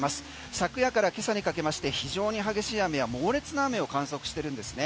昨夜から今朝にかけまして非常に激しい雨や猛烈な雨を観測してるんですね。